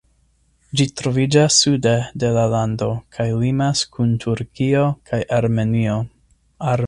Ĝi troviĝas sude de la lando kaj limas kun Turkio kaj Armenio.